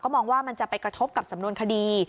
มองว่ามันจะไปกระทบกับสำนวนคดี